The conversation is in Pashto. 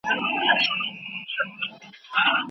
په کور کي سمې خبري نه هېرول کېږي.